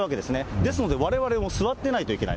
ですので、われわれも座ってないといけない。